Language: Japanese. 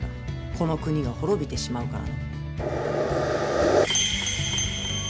この国が滅びてしまうからの。